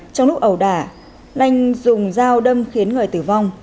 trong lúc ẩu đả lanh dùng dao đâm khiến người tử vong